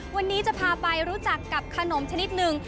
วันนี้จะพาไปรู้จักกับขนมชนิดหนึ่ง